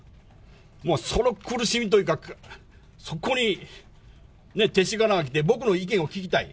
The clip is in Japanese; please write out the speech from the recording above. もうその苦しみというか、そこに勅使河原が来て、僕の意見を聞きたい。